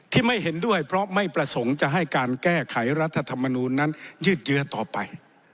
ไม่เห็นด้วยเพราะไม่ประสงค์จะให้การแก้ไขรัฐธรรมนูลนั้นยืดเยื้อต่อไป